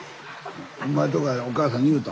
お前のとこはお母さんに言うた？